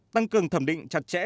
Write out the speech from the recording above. tăng cường thẩm định chặt chẽ